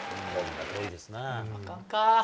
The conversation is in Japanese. あかんか。